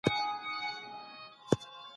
ما پرون يو ډېر ګټور تاريخي کتاب ولوست.